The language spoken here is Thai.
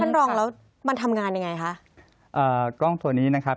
รองแล้วมันทำงานยังไงคะอ่ากล้องตัวนี้นะครับ